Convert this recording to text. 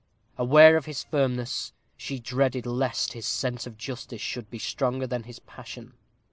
Aware of his firmness, she dreaded lest his sense of justice should be stronger than his passion.